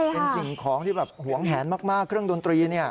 เป็นสิ่งของที่แบบหวงแหนมากเครื่องดนตรี